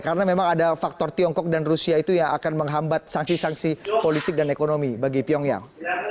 karena memang ada faktor tiongkok dan rusia itu yang akan menghambat sanksi sanksi politik dan ekonomi bagi pyongyang